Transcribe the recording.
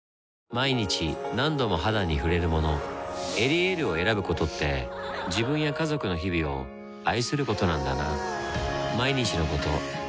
毎日何度も肌に触れるもの「エリエール」を選ぶことって自分や家族の日々を愛することなんだなぁ